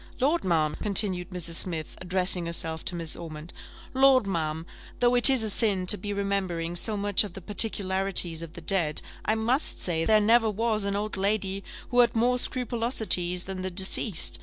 Lord, ma'am," continued Mrs. Smith, addressing herself to Mrs. Ormond, "Lord, ma'am, though it is a sin to be remembering so much of the particularities of the dead, I must say there never was an old lady who had more scrupulosities than the deceased.